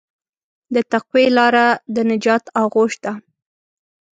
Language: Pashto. د تقوی لاره د نجات آغوش ده.